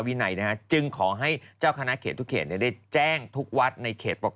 พระอันนี้แหลวบ้าบ้า